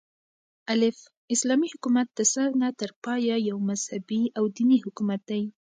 الف : اسلامي حكومت دسره نه تر پايه يو مذهبي او ديني حكومت دى